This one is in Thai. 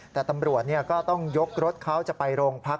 แต่ตำรวจก็ต้องยกรถเขาจะไปโรงพัก